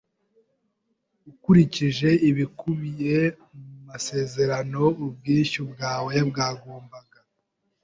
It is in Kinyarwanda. Ukurikije ibikubiye mu masezerano, ubwishyu bwawe bwagombaga